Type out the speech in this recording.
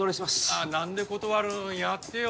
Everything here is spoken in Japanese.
あっ何で断るんやってよ